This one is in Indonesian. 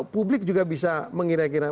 publik juga bisa mengira kira